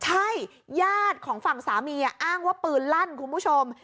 ใช่ญาติของฝั่งสามีอ้างว่าปืนลั่นคุณผู้ชม